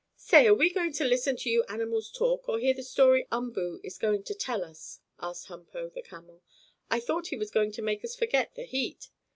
"Say, are we going to listen to you animals talk or hear the story Umboo is going to tell us?" asked Humpo, the camel. "I thought he was going to make us forget the heat."